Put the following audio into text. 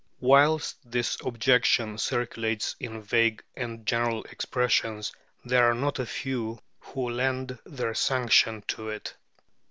Whilst this objection circulates in vague and general expressions, there are not a few who lend their sanction to it.